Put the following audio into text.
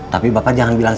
tapi bapak jangan berpikir